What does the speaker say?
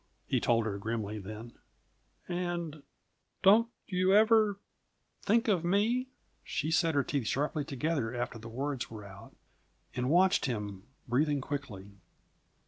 he told her grimly then. "And don't you ever think of me?" She set her teeth sharply together after the words were out, and watched him, breathing quickly.